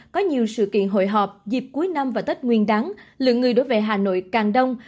có nhiều sự kiện hội họp dịp cuối năm và tết nguyên đắng lượng người đối với hà nội càng đông